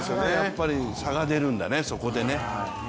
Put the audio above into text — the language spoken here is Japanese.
差が出るんだね、そこでね。